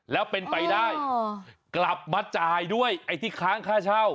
แล้วเป็นไปได้กลับมาจ่ายด้วยไอ้ที่ค้างค่าเช่า